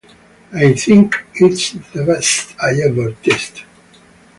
I think it's the best I ever tasted.